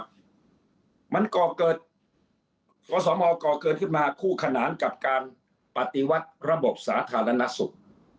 อสมก่อเกิดขึ้นมาคู่ขนานกับการปฏิวัติระบบสาธารณสุข